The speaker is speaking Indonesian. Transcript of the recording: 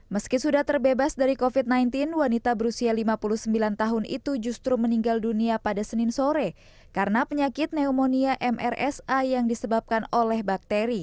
meski sudah terbebas dari covid sembilan belas wanita berusia lima puluh sembilan tahun itu justru meninggal dunia pada senin sore karena penyakit pneumonia mrsa yang disebabkan oleh bakteri